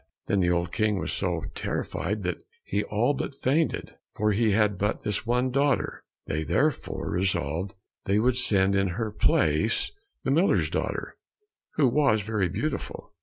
Then the old King was so terrified that he all but fainted, for he had but this one daughter. They therefore resolved they would send, in her place, the miller's daughter, who was very beautiful.